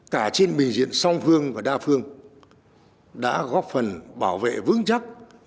cả trên bình diện song phương và đa phương đã góp phần bảo vệ vững chắc